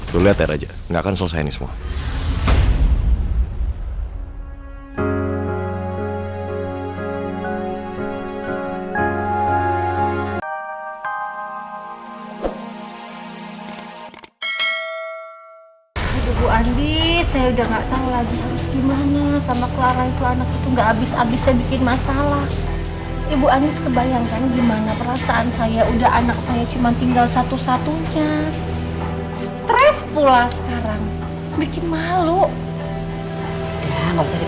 lo liat ya raja gak akan selesainya ini semua